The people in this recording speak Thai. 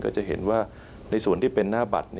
จะเห็นว่าในส่วนที่เป็นหน้าบัตร